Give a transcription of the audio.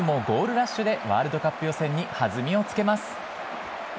ラッシュでワールドカップ予選にはずみをつけます。